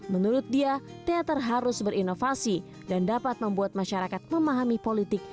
menurut dia teater harus berinovasi dan dapat membuat masyarakat memahami politik